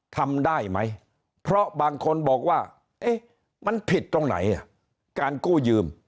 ทำได้ไหมเพราะบางคนบอกว่ามันผิดตรงไหนการกู้ยืม